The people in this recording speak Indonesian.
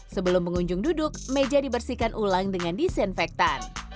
sebelum pengunjung duduk meja dibersihkan ulang dengan disinfektan